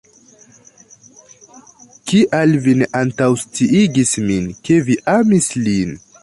Kial vi ne antaŭsciigis min, ke vi amis lin?